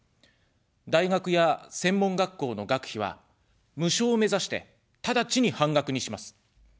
大学や専門学校の学費は無償を目指して、ただちに半額にします。